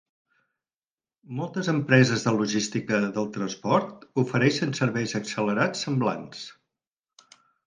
Moltes empreses de logística del transport ofereixen serveis accelerats semblants.